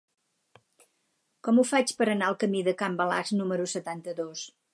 Com ho faig per anar al camí de Can Balasc número setanta-dos?